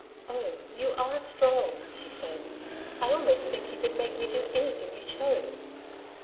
'Oh, you are strong!' she said. 'I almost think you could make me do anything you chose.'